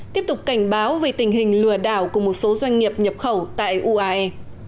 tiếp tục cảnh báo về tình hình lừa đảo của một số doanh nghiệp nhập khẩu tại uae